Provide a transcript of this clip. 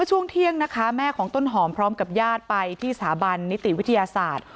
ช่วงเที่ยงนะคะแม่ของต้นหอมพร้อมกับญาติไปที่สถาบันนิติวิทยาศาสตร์